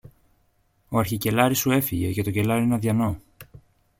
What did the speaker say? ο αρχικελάρης σου έφυγε και το κελάρι είναι αδειανό.